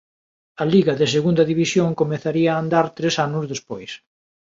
A liga de segunda división comezaría a andar tres anos despois.